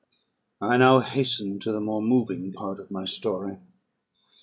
"I now hasten to the more moving part of my story.